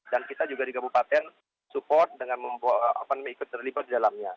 dan kita juga di kabupaten support dengan membuat ikut terlibat di dalamnya